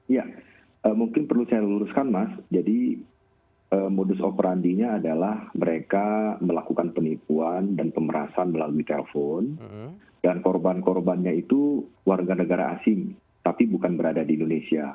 ya mungkin perlu saya luruskan mas jadi modus operandinya adalah mereka melakukan penipuan dan pemerasan melalui telepon dan korban korbannya itu warga negara asing tapi bukan berada di indonesia